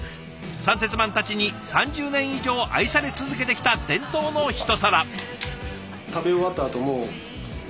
三鉄マンたちに３０年以上愛され続けてきた伝統のひと皿。